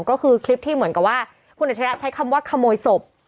ก็คือคลิปที่เหมือนกับว่าคุณอัจฉริยะใช้คำว่าขโมยศพ